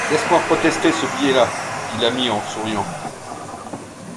Laisse-toi protester ce billet-là, dit l’amie en souriant.